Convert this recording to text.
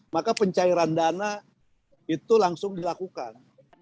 maka pencairan dana itu langsung dilakukan